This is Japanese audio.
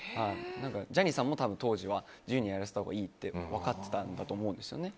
ジャニーさんも当時は自由にやらせたほうがいいって分かっていたんだと思うんですね。